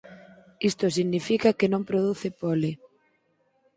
Isto significa que non produce pole.